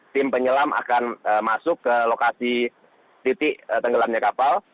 tim penyelam akan masuk ke lokasi titik tenggelamnya kapal